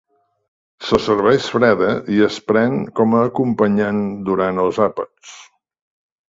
Se serveix freda i es pren com a acompanyant durant els àpats.